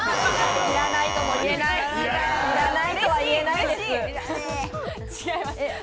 いらないとは言えないです。